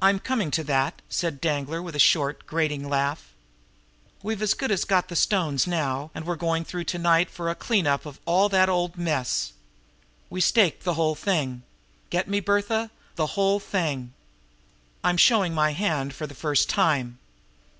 "I'm coming to that," said Danglar, with his short, grating laugh. "We've as good as got the stones now, and we're going through to night for a clean up of all that old mess. We stake the whole thing. Get me, Bertha the whole thing! I'm showing my hand for the first time.